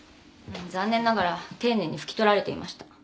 残念ながら丁寧にふき取られていました。